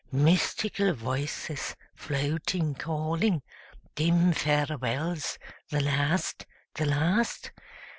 Mystical voices, floating, calling; Dim farewells the last, the last?